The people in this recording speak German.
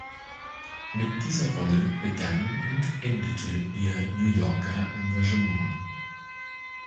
Mit dieser Rolle begann und endete ihr New Yorker Engagement.